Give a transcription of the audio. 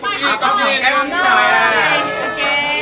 อันนั้นจะเป็นภูมิแบบเมื่อ